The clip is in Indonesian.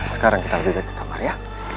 sekarang kita lebih baik ke kamar ya